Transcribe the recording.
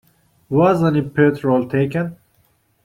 Was any petrol taken?